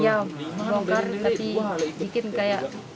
ya bongkar tapi dikinkan